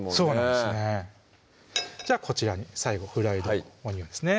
こちらに最後フライドオニオンですね